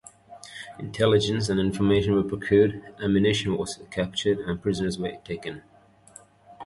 Intelligence and information were procured, ammunition was captured, and prisoners were taken.